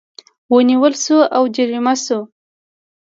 ونیول شوې او جریمه شوې